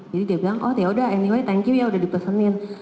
jadi dia bilang oh yaudah anyway thank you ya udah dipesenin